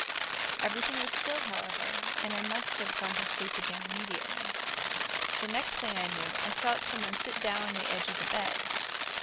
Everything was still, however, and I must have gone to sleep again immediately. The next thing I knew, I felt some one sit down on the edge of the bed.